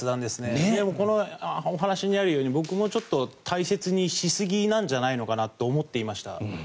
ただ、ここにあるように僕も大切にしすぎなんじゃないかと思っていました。